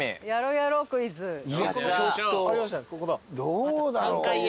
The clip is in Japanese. どうだろう。